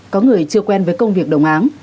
có người chưa quen với công việc đồng án